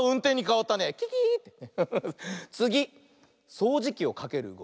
そうじきをかけるうごき。